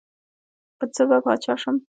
پۀ څۀ به باچا شم ـ